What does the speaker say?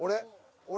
俺？